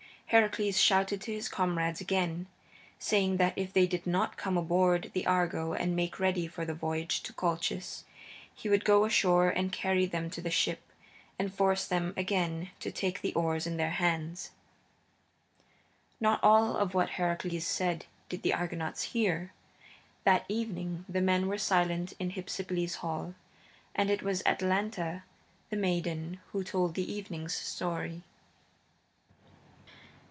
Heracles shouted to his comrades again, saying that if they did not come aboard the Argo and make ready for the voyage to Colchis, he would go ashore and carry them to the ship, and force them again to take the oars in their hands. Not all of what Heracles said did the Argonauts hear. That evening the men were silent in Hypsipyle's hall, and it was Atalanta, the maiden, who told the evening's story.